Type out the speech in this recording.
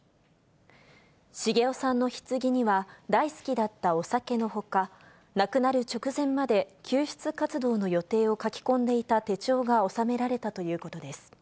繁雄さんのひつぎには、大好きだったお酒のほか、亡くなる直前まで救出活動の予定を書き込んでいた手帳が納められたということです。